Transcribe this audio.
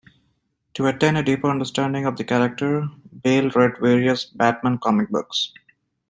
To attain a deeper understanding of the character, Bale read various Batman comic books.